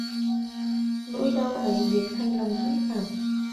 Nỗi đau ấy biến thành lòng dũng cảm